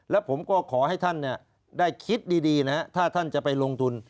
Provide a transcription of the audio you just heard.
แล้วผมก็ขอให้ท่านได้คิดดีนะฮะถ้าท่านจะไปลงทุน